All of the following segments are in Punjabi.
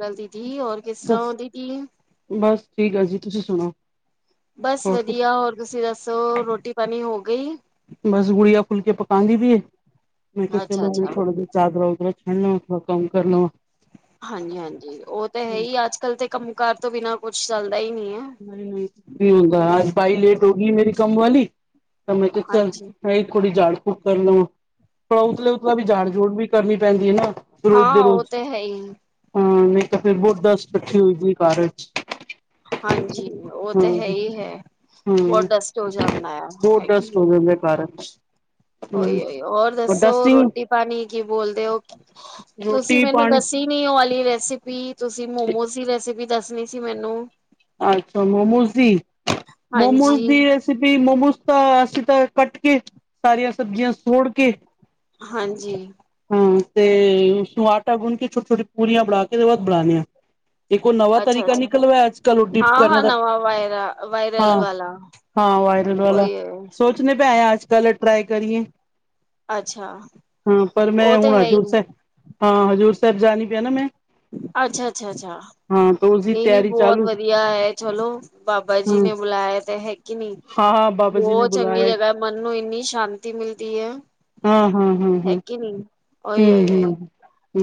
ਚਲਦੀ ਥੀ, ਔਰ ਕਿਸ ਸ ਤਰਾਂ ਹੋਂਦੀ ਥੀ? ਬਸ ਠੀਕ ਆ ਜੀ, ਤੁਸੀ ਸੁਣਾਓ? ਬਸ ਹੋਰ ਵਧੀਆ, ਹੋਰ ਤੁਸੀ ਦੱਸੋ ਰੋਟੀ ਪਾਣੀ ਹੋ ਗਈ? ਬਸ ਗੁੜੀਆ ਫੁੱਲਕੇ ਪਕਾਂਦੀ ਪੀ ਏ, ਮੈਂ ਕੈ ਅੱਛਾ ਚਲੋ ਹੁਣ ਅੱਛਾ ਥੋੜੀ ਦੇਰ ਚਾਦਰੋਂ ਕੋ ਛੰਡਣਾ, ਥੋੜਾ ਕੰਮ ਕਰਨਾ। ਹਾਂਜੀ ਹਾਂਜੀ, ਓ ਤੇ ਹੈ ਈ। ਅੱਜ-ਕੱਲ ਤੇ ਕੰਮ ਕਾਰ ਤੋਂ ਬਿਨਾਂ ਕੁਛ ਚੱਲਦਾ ਈ ਨੀ ਐ। ਨੀ ਹੋਂਦਾ। ਅੱਜ ਬਾਈ ਲੇਟ ਹੋਗੀ ਮੇਰੀ ਕੰਮ ਵਾਲੀ ਤਾਂ ਮੈਂ ਕੇਆ ਚਲ ਹਾਂਜੀ ਥੋੜੀ ਝਾੜ ਫੂਕ ਕਰ ਲਵਾਂ। ਥੋੜਾ ਉਤਲੇ-ਉਤਲਾ ਵੀ ਝਾੜ ਝੂੜ ਵੀ ਕਰਨੀ ਪੈਂਦੀ ਏ ਨਾ ਰੋਜ ਹਾਂ ਦੇ ਉਹ ਰੋਜ। ਤੇ ਹੈ ਹੀ ਹਾਂ, ਨਈ ਤੇ ਫੇਰ ਬੌਤ ਡਸਟ ਕੱਠੀ ਹੋਈ ਦੀ ਏ ਘਰ ਇੱਚ। ਹਾਂਜੀ, ਓ ਤੇ ਹੈ ਹੀ ਹੈ। ਬੋਤ ਹਾਂ ਡਸਟ ਹੋ ਜਾਂਦਾ ਯਾ, ਬਹੁਤ ਹੈ ਕੇ ਡਸਟ ਨੀ। ਹੋ ਘਰ ਏਚ ਓਈ ਓਈਯੋ। ਹੋਰ ਦੱਸੋ ਰੋਟੀ ਪਾਣੀ ਕੀ ਬੋਲਦੇ ਓ। ਤੁਸੀ ਰੋਟੀ ਮੈਨੂੰ ਪਾਣੀ ਦੱਸ ਨੀ ਨੀ ਓ ਵਾਲੀ ਰੈਸਿਪੀ। ਤੁਸੀ ਮੋਮੋਸ ਦੀ ਰੈਸਿਪੀ ਦੱਸਨੀ ਸੀ ਮੈਨੂੰ। ਅੱਛਾ ਮੋਮੋਜ਼ ਦੀ, ਮੋਮੋਜ਼ ਹਾਂਜੀ ਦੀ ਰੈਸਪ ਸਪੀ, ਮੋਮੋਸ ਤਾਂ ਅਸੀ ਤਾਂ ਕੱਟ ਕੇ, ਸਾਰੀਆਂ ਸਬਜ਼ੀਆਂ ਸੋੜ ਕੇ ਹਾਂਜੀ। ਹਾਂ। ਤੇ ਇਸਨੂੰ ਆਟਾ ਗੁਨ ਕੇ, ਛੋਟੀ-ਛੋਟੀ ਪੂਰੀਆਂ ਬਣਾ ਕੇ ਦੇ ਬਾਦ ਬਣਾਂਨੇ ਆਂ। ਏਕ ਓ ਨਵਾਂ ਅੱਛਾ ਤਰੀਕਾ ਅੱਛਾ ਨਿਕਲਵਾ ਅੱਜ ਕੱਲ, ਓ ਡਿਪ ਹਾਂ ਕਰਨ ਹਾਂ ਦਾ, ਨਵਾਂ ਵਾਇਰਾ ਵਾਇਰਲ ਹਾਂ। ਵਾਲਾ ਹਾਂ, ਵਾਇਰਲ ਵਾਲਾ। ਉਹੀ ਹੈ ਸੋਚਣੇ ਪਏ ਆਂ ਐ ਅੱਜ ਕੱਲ ਟਰਾਈ ਕਰੀਏ। ਅੱਛਾ। ਹਾਂ ਪਰ ਮੈਂ ਉਹ ਤੇ ਹੁਣ ਹੈ ਹੀ ਹਜੂਰ ਸੈਬ, ਹਾਂ ਹਜੂਰ ਸੈਬ ਜਾਨੀ ਪਈ ਆ ਨਾ ਮੈਂ। ਅੱਛਾ ਅੱਛਾ ਅੱਛਾ। ਹਾਂ ਤਾਂ ਉਸਦੀ ਨਈ ਨਈ ਤਿਆਰੀ ਬੋਤ ਚਾਲੂ ਵਧੀਆ ਐ। ਚਲੋ, ਬਾਬਾ ਜੀ ਹੂੰ ਨੇ ਬੁਲਾਏਆ ਤੇ ਹੈ ਕਿ ਨੀ। ਹਾਂ ਹਾਂ ਬਾਬਾ ਜੀ ਨੇ ਬੋ ਚੰਗੀ ਬੁਲਾਇਆ ਜਗਾ ਐ। ਮਨ ਨੂੰ ਇੰਨੀ ਸ਼ਾਂਤੀ ਮਿਲਦੀ ਐ। ਹਾਂ ਹਾਂ ਹਾਂ ਹਾਂ ਹੈ ਕਿ ਓਈ ਹੂੰ ਓਈ ਓਈ, ਹੂੰ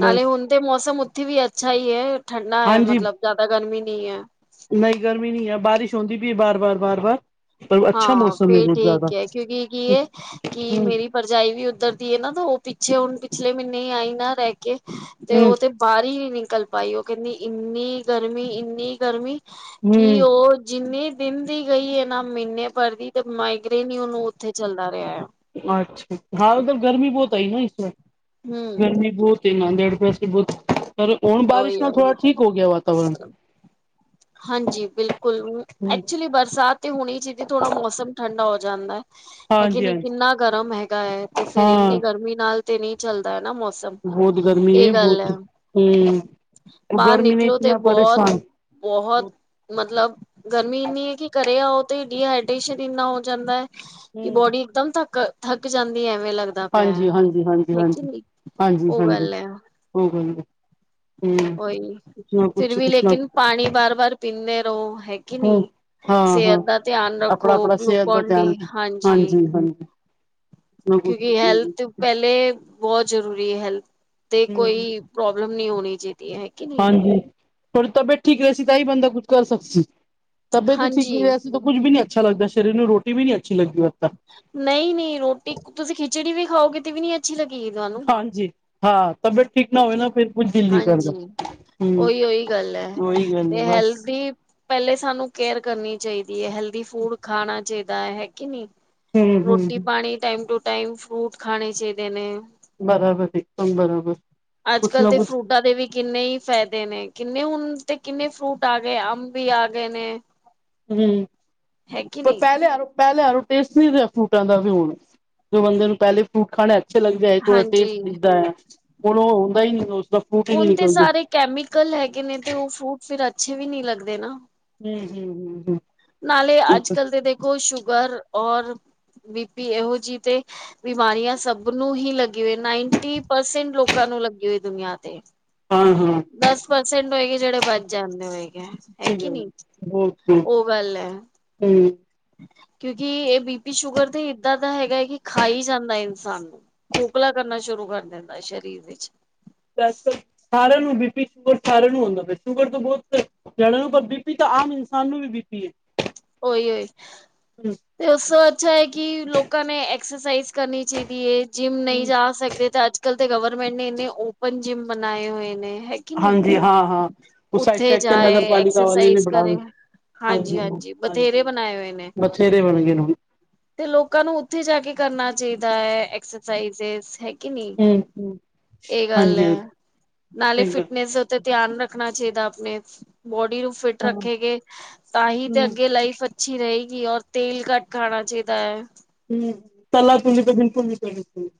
ਨਾਲੇ ਹੁਨ ਤੇ ਮੌਸਮ ਉਥੇ ਵੀ ਅੱਛਾ ਈ ਏ। ਠੰਡਾ ਐ, ਮਤਲਬ ਜਾਦਾ ਗਰਮੀ ਨੀ ਐ। ਨਈ ਗਰਮੀ ਨੀ ਐ। ਬਾਰਿਸ਼ ਹੁੰਂਦੀ ਪੀ ਏ ਬਾਰ ਬਾਰ ਬਾਰ ਬਾਰ। ਹਾਂ। ਫੇਰ ਠੀਕ ਏ। ਕਿਉਂਕਿ ਕੀ ਏ, ਕਿ ਮੇਰੀ ਭਰਜਾਈ ਵੀ ਓਧਰ ਦੀ ਏ ਨਾ ਤਾਂ ਓ ਪਿੱਛੇ ਹੁਨ, ਪਿਛਲੇ ਮੀਨੇ ਈ ਆਈ ਨਾ ਰੈ ਕੇ, ਤੇ ਓ ਤੇ ਬਾਰ ਈ ਨੀ ਨਿਕਲ ਪਾਈ। ਓ ਕੈਂਦੀ ਇੰਨੀ ਗਰਮੀ, ਇੰਨੀ ਗਰਮੀ। ਕਿ ਓ ਜਿੰਨੀ ਦਿਨ ਦੀ ਗਈ ਏ ਨਾ। ਮੀਨੇ ਭਰ ਵੀ ਤੇ ਮਾਈਗਰੇੇਨ ਈ ਓਨੂੰ ਓਥੇ ਚੱਲਦਾ ਰੇਆ ਐ। ਅੱਛਾ। ਹਾਂ, ਓਦਰ ਗਰਮੀ ਬੋਤ ਆਈ ਨਾ ਇਸ ਵਾਰ। ਹਮ ਗਰਮੀ ਬੋਤ ਤੇ ਨਾਂਦੇੜ ਪੇ ਸੀ ਬੋਤ, ਪਰ ਹੁਣ ਬਾਰਿਸ਼ ਉਹੀ ਹੈ ਨਾਲ ਥੋੜਾ ਠੀਕ ਹੋ ਗਆ ਵਾਤਾਵਰਨ। ਹਾਂਜੀ। ਬਿਲਕੁਲ, ਐਕਚੁਲੀ ਬਰਸਾਤ ਤੇ ਹੋਣੀ ਚੀਦੀ, ਥੋੜਾ ਮੌਸਮ ਠੰਡਾ ਹੋ ਜਾਂਦਾ ਐ। ਹੈ ਕੀ ਹਾਂਜੀ ਨਈਂ ਹਾਂਜੀ ਕਿੰਨਾ ਗਰਮ ਹੈਗਾ ਐ ਤੇ ਫਿਰ ਇੰਨੀ ਹਾਂ ਗਰਮੀ ਨਾਲ ਤੇ ਨਈਂ ਚੱਲਦਾ ਐ ਨਾ ਮੌਸਮ, ਏ ਗੱਲ ਐ। ਹੂੰ, ਗਰਮੀ ਨੇ ਇਤਨਾ ਪਰੇਸ਼ਾਨ ਬੋਹਤ। ਮਤਲਬ ਗਰਮੀ ਇੰਨੀ ਐ ਕਿ ਘਰੇ ਆਓ ਤੇ ਡੀਹਾਈਡ੍ਰੇਸ਼ਨ ਇੰਨਾ ਹੋ ਜਾਂਦਾ ਐ। ਕਿ ਹਮ ਬੋਡੀ ਇਕਦਮ ਥੱਕ, ਥੱਕ ਜਾਂਦੀ ਐ ਐਵੇਂ ਲੱਗ ਹਾਂਜੀ ਹਾਂਜੀ ਹਾਂਜੀ ਹਾਂਜੀ, ਉਹ ਹਾਂਜੀ-ਹਾਂਜੀ, ਗੱਲ ਹੈ [unintelligible] ਹੂੰ, ਕੁਛ ਉਹੀ ਨਾ ਫਿਰ ਕੁੱਛ, ਵੀ ਕੁਛ ਨਾ ਲੇਕਿਨ ਪਾਣੀ ਬਾਰ-ਬਾਰ ਪੀਂਦੇ ਰੋ, ਹੈ ਕਿ ਹਮ ਨਈਂ, ਹਾਂ ਹਾਂ ਸੇੲਤ ਦਾ ਧਿਆਨ ਆਪਣਾ ਰੱਖੋ, ਆਪਣਾ ਸਿਹਤ ਦਾ ਗੁਲੂਕੋਨ ਧਿਆਨ ਡੀ, ਹਾਂਜੀ। ਹਾਂਜੀ ਕੁਛ ਨਾ [inaudible] ਕੁਛ ਕੁਛ ਕਿਉਂਕਿ ਨਾ ਕੁਛ ਹੈਲਥ ਪੈਲੇ ਬੋਹਤ ਜ਼ਰੂਰੀ ਐ ਹੈਲਥ, ਤੇ ਹਮ ਕੋਈ ਪ੍ਰੋਬਲਮ ਨਈਂ ਹੋਣੀ ਚਾਈਦੀ ਹੈ ਕਿ ਨਹੀਂ ਹਾਂਜੀ, ਤੁਆਡੀ ਤਬੀਅਤ ਠੀਕ ਰਏ ਸੀ ਤਾਂ ਈ ਬੰਦਾ ਕੁੱਛ ਕਰ ਸਕ ਸੀ, ਤਬੀਅਤ ਠੀਕ ਹਾਂਜੀ ਨਈਂ ਰੈ ਸੀ ਤੋ ਕੁੱਝ ਬੀ ਨੀ ਅੱਛਾ ਲੱਗਦਾ ਸ਼ਰੀਰ ਨੂੰ ਰੋਟੀ ਵੀ ਨੀ ਅੱਛੀ ਲੱਗਦੀ ਫਿਰ ਤਾ। ਨਈਂ-ਨਈਂ ਰੋਟੀ ਕੁ ਤੁਸੀਂ ਖਿਚੜੀ ਵੀ ਖਾਓਗੇ ਤੇ ਵੀ ਨੀ ਅੱਛੀ ਲੱਗੇਗੀ ਤੁਆਨੂੰ। ਹਾਂਜੀ ਹਾਂ ਤਬੀਅਤ ਠੀਕ ਨਾ ਹੋਵੇ ਨਾ ਫਿਰ ਕੁਛ ਦਿਲ ਨੀ ਕਰਦਾ। ਹਮ ਓਈ-ਓਈ ਗੱਲ ਐ ਉਹੀ ਗੱਲ ਹੈ ਤੇ ਬਸ ਹੈਲਦੀ ਪੈਲੇ ਸਾਨੂੰ ਕੇਅਰ ਕਰਨੀ ਚਾਈਦੀ ਐ ਹੈਲਦੀ ਫੂਡ ਖਾਣਾ ਚਾਈਦਾ ਐ, ਹੈ ਕਿ ਨਈਂ? ਹਮ ਰੋਟੀ ਹਮ ਪਾਣੀ ਟਾਈਮ ਟੂ ਟਾਈਮ, ਫਰੂਟ ਖਾਣੇ ਚਾਈਦੇ ਨੇ। ਬਰਾਬਰ, ਏਕਦਮ ਬਰਾਬਰ। ਅੱਜ ਕੁਛ ਕੱਲ ਨਾ ਦੇ ਕੁਛ ਫਰੂਟਾਂ ਦੇ ਵੀ ਕਿੰਨੇ ਈ ਫੈਦ ਦੇ ਨੇ, ਕਿੰਨੇ ਹੁਨ ਤੇ ਕਿੰਨੇ ਫਰੂਟ ਆ ਗਏ, ਅੰਬ ਵੀ ਆ ਗਏ ਨੇ। ਹੂੰ, ਹੈ ਕਿ ਪਰ ਨਹੀਂ ਪੈਲੇ ਆਰੋ ਪੈਲੇ ਆਲੋ ਟੇਸਟ ਨੀ ਰਿਆ ਫਰੂਟਾਂ ਦਾ ਵੀ ਹੁਣ, ਜੋ ਬੰਦੇ ਨੂੰ ਪੈਲੇ ਫਰੂਟ ਖਾਣੇ ਅ ਅੱਛੇ ਲੱਗਦੇ ਐ ਥੋੜਾ ਟੇਸਟ ਹਾਂਜੀ। ਦਿਖਦਾ ਐ ਆ ਹੁਣ ਓ ਹੁੰਦਾ ਈ ਨਈਂ ਨੋਂ ਹੁਨ ਤੇ ਸਾਰੇ ਕੈਮੀਕਲ ਹੈਗੇ ਨੇ ਤੇ ਓ ਫਰੂਟ ਫਿਰ ਅੱਛੇ ਵੀ ਨੀ ਲੱਗਦੇ ਨਾਂ। ਹੂੰ-ਹੂੰ-ਹੂੰ-ਹੂੰ। ਨਾਲੇ ਅੱਜਕੱਲ ਤੇ ਦੇਖੋ ਸ਼ੂਗਰ ਔਰ ਬੀਪੀ, ਏਹੋ ਜੀ ਤੇ ਬਿਮਾਰੀਆਂ ਸਬ ਨੂੰ ਹੀ ਲੱਗੀ ਹੋਈ ਏ ਨਾਈਨਟੀ ਪਰਸੈਂਟ ਲੋਕਾਂ ਨੂੰ ਲੱਗੀ ਹੋਈ ਦੁਨੀਆਂ ਤੇ। ਹਾਂ-ਹਾਂ। ਦਸ ਪਰਸੈਂਟ ਹੋਏਂਗੇ ਜੇੜੇ ਬਚ ਜਾਂਦੇ ਹੋਏਗੇ, ਹੈ ਸੱਚੀ ਕੀ ਗੱਲ ਨਈਂ, ਬਹੁਤ ਬਹੁਤ ਓ ਗੱਲ ਐ। ਹੂੰ। ਕਿਉਂਕਿ ਏ ਬੀਪੀ ਸ਼ੂਗਰ ਤੇ ਏਦਾਂ ਦਾ ਹੈਗਾ ਐ ਕਿ ਖਾ ਈ ਜਾਂਦਾ ਇਨਸਾਨ ਨੂੰ। ਖੋਖਲਾ ਕਰਨਾ ਸ਼ੁਰੂ ਕਰ ਦਿੰਦਾ ਏ, ਸ਼ਰੀਰ ਵਿੱਚ। ਅੱਜ ਕੱਲ ਸਾਰੇਆਂ ਨੂੰ ਬੀ ਪੀ ਸ਼ੂਗਰ ਸਾਰੇਆਂ ਨੂੰ ਔਂਦਾ ਪਿਆ ਸ਼ੂਗਰ ਤੋਂ ਬੋਤ ਜਾਣੇਆਂ ਨੂੰ ਪਰ ਬੀਪੀ ਤਾਂ ਆਮ ਇਨਸਾਨ ਨੂੰ ਵੀ ਬੀਪੀ ਐ। ਓਈ-ਓਈ ਤੇ ਓਸ ਤੋਂ ਅੱਛਾ ਐ ਕਿ ਲੋਕਾਂ ਨੇ ਐਕਸਰਸਾਈਜ਼ ਕਰਨੀ ਚਾਈਦੀ ਏ। ਜਿੰਮ ਨਈਂ ਹੂੰ ਜਾ ਸਕਦੇ ਤੇ ਅੱਜ ਕਲ ਤੇ ਗਵਰਮੈਂਟ ਨੇ ਇੰਨੇ ਓਪਨ ਜਿੰਮ ਬਣਾਏ ਹੋਏ ਨੇ ਹੈ ਕਿ ਨਈਂ, ਹਾਂਜੀ ਹਾਂ ਹਾਂ ਉਹ ਸਾਈਡ ਓਥੇ ਸਾਈਡ ਤੇ ਜਾ ਨਗਰ ਆਏ ਪਾਲਿਕਾ ਵਾਲੇ ਨੇ ਐਕਸਰਸਾਈਜ਼ ਬਣਾ ਕਰੇ ਆਏ, ਹਾਂਜੀ ਹਾਂਜੀ-ਹਾਂਜੀ। ਬਥੇਰੇ ਹਾਂਜੀ ਬਣਾਏ ਹੋਏ ਨੇ। ਬਥੇਰੇ ਬਣ ਗਏ ਨੇ ਤੇ ਲੋਕਾਂ ਨੂੰ ਓਥੇ ਜਾ ਕੇ ਕਰਨਾ ਚਾਈਦਾ ਐ ਐਕਸਰਸਾਈਜ਼ ਹੈ ਕਿ ਨਈਂ, ਹੁਣ ਹੂੰ ਏ ਗੱਲ ਹਾਂਜੀ ਐ ਨਾਲੇ ਫਿਟਨਸ ਓਥੇ ਧਿਆਨ ਰੱਖਣਾ ਚਾਈਦੈ ਆਪਣੇ, ਬੋਡੀ ਨੂੰ ਫਿਟ ਰੱਖੇ ਗੇ, ਤਾਂ ਹੀ ਤੇ ਅੱਗੇ ਲਾਈਫ ਅੱਛੀ ਰਹੇਗੀ, ਔਰ ਤੇਲ ਘੱਟ ਖਾਣਾ ਚਾਹੀਦਾ ਹੈ। ਹਮ, ਤਲਾ ਤਲੀ ਤੇ ਬਿਲਕੁਲ ਨਹੀਂ ਕਰਨੀ ਚਾਹੀਦੀ।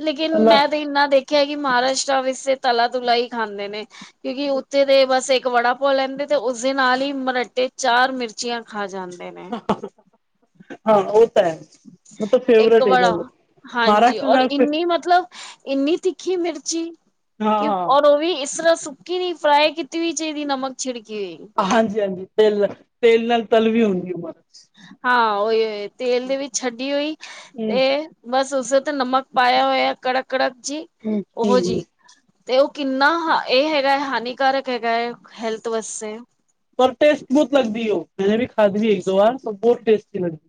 ਲੇਕਿਨ ਮੈਂ ਤਾਂ ਇੰਨਾ ਦੇਖਿਆ ਹੈ, ਕਿ ਮਹਾਰਾਸ਼ਟਰਾ ਵਿੱਚ ਤੇ ਤਲਾ-ਤੁਲਾ ਹੀ ਖਾਂਦੇ ਨੇ। ਕਿਉਂਕਿ ਉੱਥੇ ਦੇ ਬਸ ਇੱਕ ਵੜਾ ਪੋ ਲੈਂਦੇ ਤੇ ਉਸਦੇ ਨਾਲ ਹੀ ਮਰਟਟੇ ਚਾਰ ਮਿਰਚੀਆਂ ਖਾ ਜਾਂਦੇ ਨੇ। ਹਾਂ ਉਹ ਤਾਂ ਹੈ। ਇੱਕ ਵੜਾ, ਹਾਂਜੀ ਔਰ ਨਾਲ ਫਿਰ- ਇੰਨੀ ਮਤਲਬ ਇੰਨੀ ਤਿੱਖੀ ਮਿਰਚੀ, ਹਾਂ ਕਿ ਹਾਂ ਔਰ ਉਹ ਵੀ ਇਸ ਤਰ੍ਹਾਂ ਸੁੱਕ ਕਿ ਨੀ ਫਰਾਈ ਕੀਤੀ ਵੀ ਚਾਹੀਦੀ ਨਮਕ ਛਿੜਕੀ ਏ। ਹਾਂਜੀ-ਹਾਂਜੀ, ਤੇਲ-ਤੇਲ ਨਾਲ ਤਲ ਵੀ ਹੁੰਦੀ ਉ ਮਰਚ। ਹਾਂ ਓਓ ਏ ਤੇਲ ਦੇ ਵਿੱਚ ਛੱਡੀ ਹੋਈ ਤੇ ਬਸ ਉਸੇ ਤੇ ਨਮਕ ਪਾਇਆ ਹੋਇਆ ਕੜਕ-ਕੜਕ ਜੀ ਹੂੰ ਉਹ ਹੂੰ ਜਿ ਤੇ ਉਹ ਕਿੰਨਾ ਹ ਇਹ ਹੈਗਾ ਹੈ, ਹਾਨੀਕਾਰਕ ਹੈਗਾ ਹੈ ਹੈਲਥ ਵਾਸਤੇ। ਪਰ ਟੇਸਟ ਬਹੁਤ ਲੱਗਦੀ ਉਹ ਮੈਂ ਵੀ ਖਾਦੀ ਦੀ ਹੈ ਇੱਕ ਵਾਰ, ਬਹੁਤ ਟੇਸਟੀ ਲੱਗਦੀ।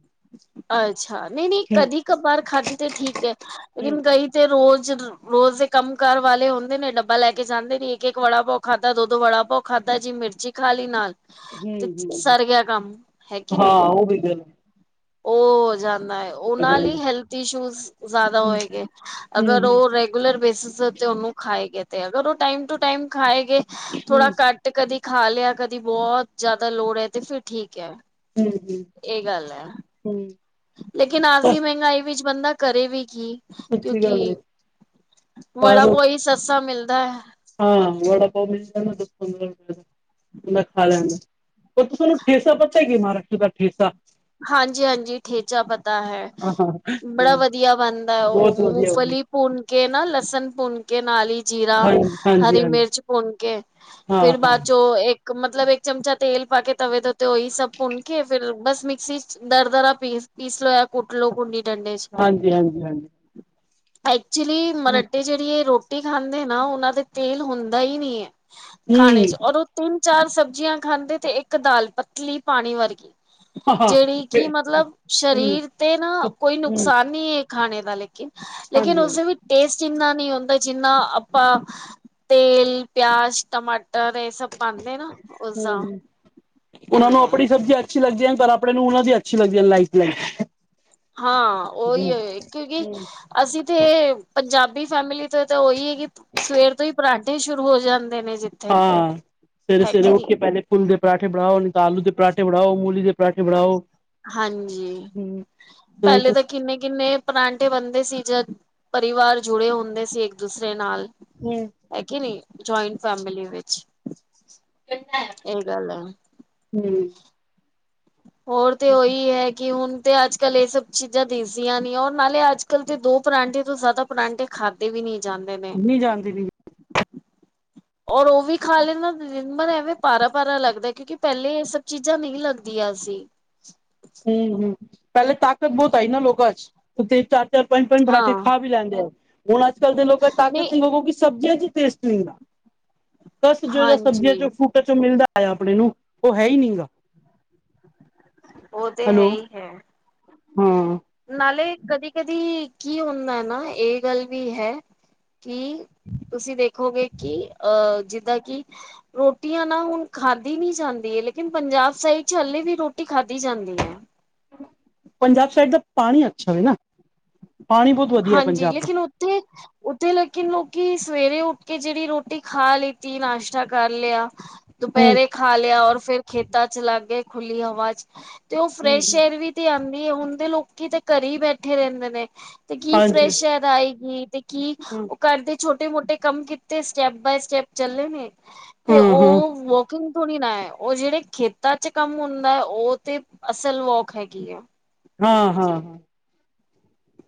ਅੱਛਾ ਨਹੀਂ ਨਹੀਂ ਹੂੰ ਕਦੀ ਕਬਾਰ ਖਾਦੀ ਤੇ ਠੀਕ ਹੈ, ਲੇਕਿਨ ਕਈ ਤੇ ਰੋਜ਼ ਰੋਜ਼ ਦੇ ਕੰਮ ਕਾਰ ਵਾਲੇ ਹੁੰਦੇ ਨੇ, ਡੱਬਾ ਲੈ ਕੇ ਜਾਂਦੇ ਨੇ। ਇੱਕ-ਇੱਕ ਵੜਾ ਪਾਓ ਖਾਦਾ, ਦੋ ਦੋ ਵੜਾ ਪਾਓ ਖਾਦਾ ਜੀ ਮਿਰਚੀ ਖਾਲੀ ਨਾਲ, ਹੂੰ ਤੇ ਹੂੰ ਸਰ ਗਿਆ ਕੰਮ। ਹੈ ਕੇ ਹਾਂ ਨੀ। ਉਹ ਵੀ ਗ [unintelligible] ਉਹ ਹੋ ਜਾਂਦਾ ਹੈ ਉਹਨਾਂ ਗੱਲ ਲਈ ਹੈਲਥ ਇਸ਼ੂਜ਼ ਜ਼ਿਆਦਾ ਹੂੰ ਹੋਏਗੇ, ਹੂੰ ਅਗਰ ਹੂੰ ਉਹ ਰੇਰ ਗੁਲਰ ਬੇਸਿਸ ਉਤੇ ਉਹਨੂੰ ਖਾਏ ਗੇ ਤੇ। ਅਗਰ ਉਹ ਟਾਈਮ ਟੂ ਟਾਈਮ ਖਾਏਗੇ, ਥੋੜਾ ਕੱਟ ਤੇ ਕਦੀ ਖਾ ਲਿਆ, ਕਦੀ ਬੋਹੋਤ ਜਿਆਦਾ ਲੋੜ ਹੈ ਤੇ ਫਿਰ ਠੀਕ ਹੈ। [unintelligible] ਏ ਗੱਲ ਹੈ। ਹਮ। ਲੇਕਿਨ ਅਜਦੀ ਮਹਿੰਗਾਈ ਵਿੱਚ ਬੰਦਾ ਕਰੇ ਵੀ ਕੀ। ਸੱਚੀ ਕਿਉਂਕਿ ਗੱਲ ਏ ਵੜਾ ਬਾਹਰੋਂ ਪਾਓ ਈ ਸਸਤਾ ਮਿਲਦਾ ਹੈ। ਹਾਂ ਵੜਾ ਪਾਓ ਮਿਲ ਜਾਂਦਾ ਦਸ ਪੰਦਰਾਂ ਰੁਪਏ ਦਾ। ਮੈਂ ਖਾ ਲੈਂਦਾ ਏ। ਪਰ ਤੁਸਾਨੂੰ ਠੇਸਾ ਪਤਾ ਹੈ ਕਿ ਮਹਾਰਾਸ਼ਟਰ ਦਾ ਠੇਸਾ? ਹਾਂਜੀ-ਹਾਂਜੀ ਠੇਚਾ ਪਤਾ ਹੈ। ਹਾਂ ਬੜਾ ਵਧੀਆ ਬਣਦਾ ਉਹ ਬਹੁਤ ਵਧੀਆ ਉਹ। ਮੂੰਫਲੀ ਪੁਨਕੇ ਨਾ ਲਸਣ ਪੁਨ ਕੇ ਨਾਲੀ ਜੀਰਾ, ਹਾਂ ਹਾਂਜੀ ਹਰੀ ਹਾਂਜੀ ਮਿਰਚ ਭੁੰਨ ਕੇ, ਹਾਂ ਫਿਰ ਹਾਂ ਬਾਅਦ ਚੋਂ ਇੱਕ ਕ ਮਤਲਬ ਇੱਕ ਚਮਚਾ ਤੇਲ ਪਾ ਕੇ ਤਵੇ ਦੇ ਉਤੇ ਉਹਹੀ ਸਭ ਭੁੰਣ ਕੇ, ਫਿਰ ਬਸ ਮਿਕ ਸੀ ਚ ਦਰਦਰਾ ਪੀ-ਪੀਸ ਲੋ ਏ ਕੁੱਟ ਲੋ ਕੁੰਡੀ ਠੰਡੇ ਚ। ਹਾਂਜੀ ਹਾਂਜੀ ਹਾਂਜੀ ਐਕਚੁਲੀ ਹੂੰ ਮਰਡੀ ਜਿਹੜੀ ਹੈ ਰੋਟੀ ਖਾਂਦੇ ਨਾ, ਉਹਨਾਂ ਦਾ ਤੇਲ ਹੁੰਦਾ ਹੀ ਨੀ ਹੈ। ਖਾਣੇ ਚ ਔਰ ਉਹ ਤਿੰਨ ਚਾਰ ਸਬਜ਼ੀਆਂ ਖਾਂਦੇ ਤੇ, ਇੱਕ ਦਾਲ ਪਤਲੀ ਪਾਣੀ ਵਰਗੀ। ਹਾਂ ਜਿਹੜੀ ਕਿ ਹੂੰ ਮਤਲਬ ਹੂੰ ਸ਼ਰੀਰ ਤੇ ਨਾ ਕੋਈ ਨੁਕਸਾਨ ਨੀ ਏ ਖਾਣੇ ਦਾ ਲੇਕਿਨ। ਲੇਕਿਨ ਹਾਂਜੀ ਹਾਂਜੀ ਉਸਦੇ ਵੀ ਟੇਸਟ ਇੰਨਾ ਨੀ ਹੁੰਦਾ ਜਿੰਨਾ ਆਪਾਂ ਤੇਲ ਪਿਆਜ ਟਮਾਟਰ ਏ ਸਭ ਪਾਂਦੇ ਨਾ ਹੂੰ ਉਸਦਾ ਹੂੰ ਉਹਨਾਂ ਐਵੇਂ ਨੂੰ ਏ। ਆਪਣੀ ਸਬਜ਼ੀਆਂ ਅੱਛੀ ਲੱਗਦੀ ਹੈ ਪਰ ਆਪਣੇ ਨੂੰ ਉਹਨਾਂ ਦੀ ਅੱਛੀ ਲੱਗਦੀ ਏ ਲਾਈਫ ਲਾਈ। ਹਾਂ ਉਹੀ ਹੇ ਕਿਉਂਕਿ ਅਸੀਂ ਤੇ ਪੰਜਾਬੀ ਫੈਮਿਲੀ ਤੇ ਤਾਂ ਉਹੀ ਸਵੇਰ ਤੋਂ ਈ ਪਰਾਂਠੇ ਸ਼ੁਰੂ ਹੋ ਜਾਂਦੇ ਨੇ ਜੀ। ਹਾਂ, ਸਵੇਰੇ-ਸਵੇਰੇ ਉੱਠ ਕੇ ਪਹਿਲੇ ਫੁੱਲਦੇ ਪਰਾਂਠੇ ਬਣਾਓ, ਨੀ ਤਾਂ ਆਲੂ ਦੇ ਪਰਾਂਠੇ ਬਣਾਓ, ਮੂਲੀ ਦੇ ਪਰਾਂਠੇ ਬਣਾਓ ਹਾਂਜੀ, ਹੂੰ ਸਹੀ ਪਹਿਲੇ ਤੇ ਕੁਛ ਕਿੰਨੇ-ਕਿੰਨੇ ਪਰਾਂਠੇ ਬਣਦੇ ਸੀ ਜਦ ਪਰਿਵਾਰ ਜੁੜੇ ਹੁੰਦੇ ਸੀ ਇੱਕ-ਦੂਸਰੇ ਨਾਲ। ਹੂੰ ਐ ਕੇ ਨਈ, ਜੁਆਇੰਟ ਫੈਮਲੀ ਵਿੱਚ। ਇਹ ਗੱਲ ਹੈ। [inaudible] ਹੋਰ 'ਤੇ ਉਈ ਹੈ ਕਿ ਹੁਣ 'ਤੇ ਅੱਜ-ਕੱਲ ਇਹ ਸਭ ਚੀਜ਼ਾਂ ਦਿਸਦੀਆਂ ਨੀ ਔਰ ਨਾਲੇ ਅੱਜ-ਕੱਲ੍ਹ 'ਤੇ ਦੋ ਪਰਾਂਠੇ ਤੋਂ ਜ਼ਿਆਦਾ ਪਰਾਂਠੇ ਖਾਧੇ ਵੀ ਨੀ ਜਾਂਦੇ ਨੇ। ਨੀ ਜਾਂਦੀ ਨੀ। ਔਰ ਉਹ ਵੀ ਖਾ ਲੈ ਨਾ ਮਨ ਐਵੇਂ, ਪਾਰਾ-ਪਾਰਾ ਲੱਗਦਾ ਕਿਉਂਕਿ ਪਹਿਲੇ ਏ ਸ ਚੀਜ਼ਾਂ, ਨਈ ਲੱਗਦੀਆਂ ਸੀ। ਹੂੰ-ਹੂੰ ਪਹਿਲੇ ਤਾਕਤ ਬੋਤ ਆਈ ਨਾ ਲੋਕਾਂ 'ਚ ਉਤੀ ਚਾਰ, ਪੰਜ-ਪੰਜ ਪਰਾਂਠੇ ਹਾਂ ਖਾ ਵੀ ਲੈਂਦੇ ਐ, ਹੁਣ ਅੱਜ-ਕੱਲ੍ਹ ਦੇ ਲੋਕ ਨਹੀਂ ਤਾਕਤ ਇਨ ਲੋਗੋਂ ਕਿ ਸਬਜ਼ੀਆਂ 'ਚ ਈ ਦਿਸ ਤਸ ਜੇੜਾ ਸਬਜ਼ੀਆਂ ਹਾਂਜੀ ਚੋਂ, ਫਰੂਟਾਂ ਚੋਂ, ਮਿਲਦਾ ਆ ਆਪਣੇ ਨੂੰ ਉਹ ਹੈ ਈ ਨੀ ਗਾ। ਉਹ 'ਤੇ ਹੈ ਹੈਲੋ ਈ ਹੈ। ਹਾਂ। ਨਾਲੇ ਕਦੀ-ਕਦੀ ਕੀ ਹੁੰਦਾ ਨਾ ਇਹ ਗੱਲ ਵੀ ਹੈ। ਕਿ, ਤੁਸੀਂ ਦੇਖੋਗੇ ਕਿ ਅਹ ਜਿੱਦਾਂ ਕਿ ਰੋਟੀਆਂ ਨਾ, ਹੁਣ ਖਾਧੀ ਨੀ ਜਾਂਦੀ ਏ ਲੇਕਿਨ ਪੰਜਾਬ ਸਾਈਡ 'ਚ ਹਲੇੇ ਵੀ ਰੋਟੀ ਖਾਧੀ ਜਾਂਦੀ ਐ। ਪੰਜਾਬ ਸਾਈਡ ਦਾ ਪਾਣੀ ਅੱਛਾ ਵੇ ਨਾ। ਪਾਣੀ ਬਹੁਤ ਵਧੀਆ ਹਾਂਜੀ, ਪੰਜਾਬ ਦਾ ਲੇਕਿਨ ਉੱਥੇ ਉੱਥੇ, ਲੇਕਿਨ ਲੋਕੀ ਸਵੇਰੇ ਉੱਠ ਕੇ ਜਿਹੜੀ ਰੋਟੀ ਖਾ ਲਿੱਤੀ, ਨਾਸ਼ਤਾ ਕਰ ਲਿਆ ਹੂੰ ਦੁਪੈਰੇ ਖਾ ਲਿਆ ਔਰ ਫੇਰ ਖੇਤਾਂ 'ਚ ਲਾਗੇ ਖੁੱਲੀ ਹਵਾ 'ਚ ਤੇ ਉਹ ਫਰੈਸ਼ ਹੂੰ ਏਅਰ ਵੀ 'ਤੇ ਆਂਦੀ ਏ ਹੁਣ ਦੇ ਲੋਕੀ 'ਤੇ ਘਰ ਈ ਬੈਠੇ ਰਹਿੰਦੇ ਨੇ। ਤੇ ਕੀ ਹਾਂਜੀ ਫਰੈਸ਼ ਏਅਰ ਆਏਗੀ, ਤੇ ਕੀ ਘਰ ਦੇ ਛੋਟੇ-ਮੋਟੇ ਕੰਮ ਕੀਤੇ, ਸਟੈਪ ਬਾਏ ਸਟੈਪ ਚੱਲੇ ਨੇ, ਤੇ ਹਾਂ ਹਾਂ ਉਹ ਵਾ ਕੰ ਥੋੜੀ ਨਾ ਐ, ਉਹ ਜਿਹੜੇ ਖੇਤਾਂ 'ਚ ਕੰਮ ਹੁੰਦਾ ਐ, ਉਹ ਤੇ ਅਸਲ ਵੋਕ ਹੈਗੀ ਐ। ਹਾਂ-ਹਾਂ,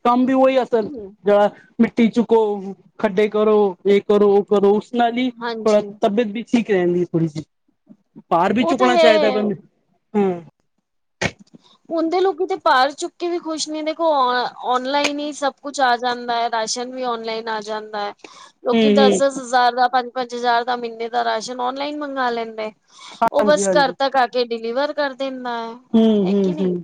ਕੰਮ ਵੀ ਉਈ ਅਸਲ ਹੂੰ। ਜਹੜਾ ਮਿੱਟੀ ਚੁੱਕੋ, ਖੱਡੇ ਕਰੋ, ਇਹ ਕਰੋ, ਉਹ ਕਰੋ, ਉਸ ਨਾਲ ਈ ਥੋੜਾ ਹਾਂਜੀ ਤਬੀਅਤ ਵੀ ਠੀਕ ਰਹਿੰਦੀ ਏ ਥੋੜੀ ਸੀ, ਭਾਰ ਵੀ ਉਹ ਤਾਂ ਚੁੱਕਣਾ ਹੈ ਚਾਈਦਾ ਬੰ, ਹੂੰ। [inaudible] ਹੁਦੇ ਲੋਕੀ ਤੇ ਪਾਰ ਚੁੱਕ ਕੇ ਵੀ ਖੁਸ਼ ਨੀ ਦੇਖੋ, ਔ ਔਨਲਾਈਨ ਈ ਸਭ ਕੁਛ ਆ ਜਾਂਦਾ ਐ। ਰਾਸ਼ਨ ਵੀ ਔਨਲਾਈਨ ਆ ਜਾਂਦਾ ਐ। ਹੂੰ ਲੋਕੀ ਹੂੰ ਦਸ-ਦਸ ਹਜ਼ਾਰ ਦਾ, ਪੰਜ-ਪੰਜ ਹਜ਼ਾਰ ਦਾ, ਮ੍ਹੀਨੇ ਦਾ ਰਾਸ਼ਨ ਓਨਲਾਈਨ ਮੰਗਵਾ ਲੈਂਦੇ। ਉਹ ਹਾਂਜੀ ਬਸ, ਹਾਂਜੀ ਘਰ ਤੱਕ ਆ ਕੇ ਡਿਲੀਵਰ ਕਰ ਦਿੰਦਾ ਐ। ਹੂੰ ਹੈ ਹੂੰ ਕਿ ਹੂੰ ਨਈ,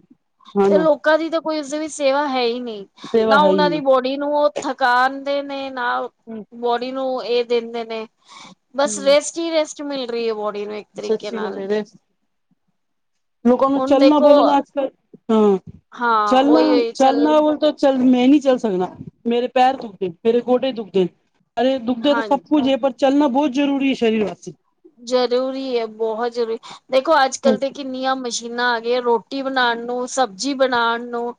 ਹਾਂ ਏ ਨਾ ਲੋ ਕਾਂ ਦੀ ਤਾਂ, ਕੋਈ ਇਸਦੇ ਵਿੱਚ ਸੇਵਾ ਹੈ ਈ ਨੀ ਸੇਵਾ ਨਾ ਹੈ ਹੀ ਉਹਨਾਂ ਦੀ ਬੋਡੀ ਨੂੰ ਉਹ ਥਕ ਕਾਦੇ ਨੇ ਨਾ ਹੂੰ ਬੋਡੀ ਨੂੰ ਇਹ ਦਿੰਦੇ ਨੇ, ਬਸ ਹੂੰ ਰੇਸ ਟੀ ਰੈਸਟ ਮਿਲ ਰੀ ਏ, ਬੋਡੀ ਨੂੰ ਇੱ ਸੱਚੀ ਗੱਲ ਏ ਵੇ, ਲੋਕਾਂ ਨੂੰ ਹੁਣ ਚੱਲਣਾ ਦੇਖੋ ਬੋਲਣਾ ਅੱਜ-ਕੱਲ ਹਾਂ, ਹਾਂ ਚੱਲਣਾ, ਉਹੀ ਉਹੀ ਚੱਲ ਚੱਲਣਾ ਬੋਲ ਤ ਚੱਲ, ਮੈਂ ਨੀ ਚੱਲ ਸਕਦਾ ਮੇਰੇ ਪੈਰ ਦੁਖਦੇ, ਮੇਰੇ ਗੋਡੇ ਦੁਖਦੇ। ਅਰੇ ਦੁਖਦੇ ਤਾਂ ਸਭ ਹਾਂਜੀ ਕੁਝ ਏ, ਪਰ ਚੱਲਣਾ ਬਹੁਤ ਜ਼ਰੂਰੀ ਏ ਸਰੀਰ ਵਾਸਤੇ। ਜ਼ਰੂਰੀ ਏ, ਬਹੁਤ ਜ਼ਰੂਰੀ, ਦੇਖੋ, ਅੱਜ-ਕੱਲ ਤੇ ਕਿੰਨੀਆਂ ਮਸ਼ੀਨਾਂ ਆ ਗਈਆਂ ਰੋ ਟੀ ਬਣਾਣ ਨੂੰ, ਸਬਜ਼ੀ ਬਣਾਣ ਨੂੰ,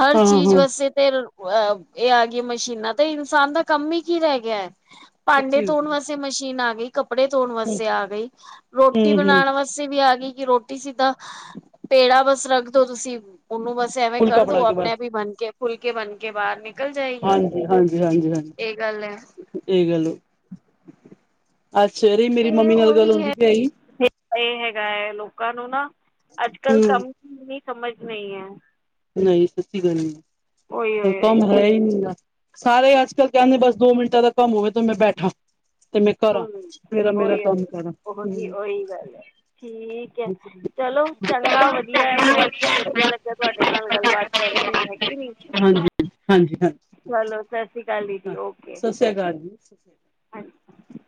ਹਰ ਹਾਂ ਚੀਜ਼ ਹਾਂ ਵੈਸ 'ਤੇ ਅਹ ਇਹ ਆ ਗੀ ਮਸ਼ੀਨਾਂ ਤੇਈ, ਇਨਸਾਨ ਦਾ ਕੰਮ ਈ ਕੀ ਰਹਿ ਗਿਆ, ਭਾਂਡੇ ਸੱਚੀ ਧੋਣ ਗੱਲ ਵਾਸਤੇ ਤੇ ਮਸ਼ੀਨ ਆ ਗਈ, ਕੱਪੜੇ ਧੋਣ ਵਾਸਤੇ ਆ ਗਈ, ਰੋਟੀ ਹੂੰ-ਹੂੰ ਬਣਾਣ ਵਾਸ ਤੇ ਵੀ ਆ ਗਈ, ਕਿ ਰੋਟੀ ਸਿੱਧਾ ਪੇੜਾ ਬਸ ਰੱਖਦੋ ਤੁਸੀਂ ਉਹਨੂੰ ਬਸ ਐਵੇਂ ਫੁਲਕਾ ਕਰ ਦੋ ਫੜਾ ਕੇ ਆਪਣੇ ਬਾਹਰ ਆਪ ਹੀ ਬਣ ਕੇ ਫੁਲਕੇ ਬਣ ਕੇ ਬਾਹਰ ਨੀ ਹਾਂਜੀ ਹਾਂਜੀ ਹਾਂਜੀ ਹਾਂਜੀ ਗੱਲ ਹੈ ਇਹ ਗੱਲ ਏ ਤੇ ਉਹੀ ਹੁੰਦੀ ਹੈ ਪਈ ਹੈਗੀ ਇਹ ਹੈਗਾ ਹੈ, ਲੋਕਾਂ ਨੂੰ ਨਾ ਅੱਜ ਕੱਲ ਹੂੰ ਕਮ ਦੀ ਸਮਝ ਨਹੀ ਹੈ ਨਹੀਂ ਸੱਚੀ ਗੱਲ ਏ, ਓਹੀ ਹੁਣ ਓਹੀ ਕੰਮ ਹੈ ਹੀ ਨਿਗਾ ਸਾਰੇ ਅੱਜ ਕੱਲ ਕਹਿੰਦੇ ਬਸ ਦੋ ਮਿੰਟਾਂ ਦਾ ਕੰਮ ਹੋਵੇ ਤੇ ਮੈਂ ਬੈਠਾ ਤੇ ਮੈਂ ਕਰਾਂ ਹਮ ਮੇਰਾ-ਮੇਰਾ ਓਹੀ ਹੀ ਕੰਮ ਕਰਾਂ ਹੂੰ ਉਓਹੀ ਉਓਹੀ ਗੱਲ ਹੈ ਠੀਕ ਹੈ ਹਾਂਜੀ, ਚਲੋ ਚੰਗਾ ਵਧੀਆ ਹੈ ਬਹੁਤ ਵਧੀਆ ਲੱਗਿਆ ਤੁਹਾਡੇ ਨਾਲ ਗੱਲਬਾਤ ਕਰਕੇ ਏ ਹੈ ਕੀ ਨੀ, ਹਾਂਜੀ, ਹਾਂਜੀ ਹਾਂ ਚਲੋ ਸਤ ਸ੍ਰੀ ਅਕਾਲ ਦੀਦੀ ਓਕੇ ਸਤਿ ਸ੍ਰੀ ਅਕਾਲ ਜੀ ਹਾਂਜੀ